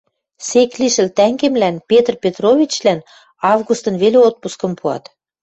сек лишӹл тӓнгемлӓн — Петр Петровичлӓн — августын веле отпускым пуат